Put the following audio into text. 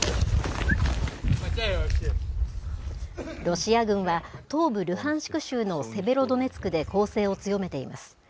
ロシア軍は東部ルハンシク州のセベロドネツクで攻勢を強めています。